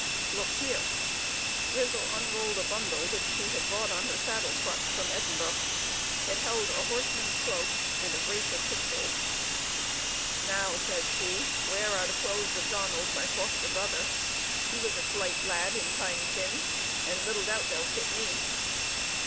"Look here." Grizel unrolled a bundle which she had brought on her saddle crutch from Edinburgh; it held a horseman's cloak and a brace of pistols. "Now," said she, "where are the clothes of Donald, my foster brother? He was a slight lad in times syne, and little doubt they'll fit me."